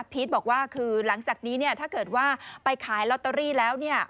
บอกว่าคือหลังจากนี้เนี่ยถ้าเกิดว่าไปขายลอตเตอรี่แล้ว